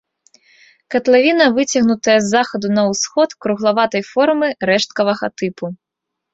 Катлавіна выцягнутая з захаду на ўсход, круглаватай формы, рэшткавага тыпу.